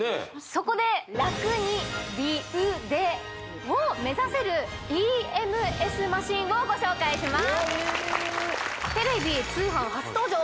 そこでラクに美腕を目指せるＥＭＳマシーンをご紹介します